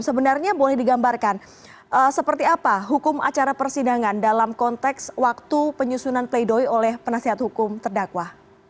sebenarnya boleh digambarkan seperti apa hukum acara persidangan dalam konteks waktu penyusunan play doi oleh penasihat hukum terdakwa